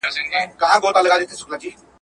زه هره ورځ ونې ته اوبه ورکوم،